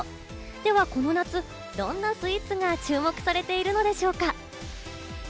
ではこの夏どんなスイーツが注目されているのでしょうか？